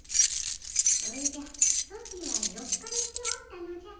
おじゃソチは４日ねておったのじゃ。